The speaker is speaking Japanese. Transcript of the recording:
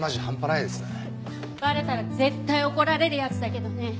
バレたら絶対怒られるやつだけどね。